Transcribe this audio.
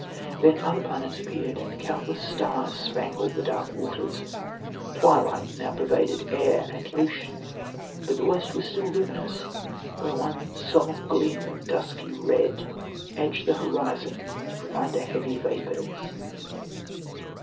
Then other planets appeared and countless stars spangled the dark waters. Twilight now pervaded air and ocean, but the west was still luminous where one solemn gleam of dusky red edged the horizon from under heavy vapours."